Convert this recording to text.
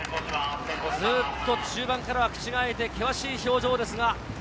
ずっと中盤から口が開いて険しい表情です。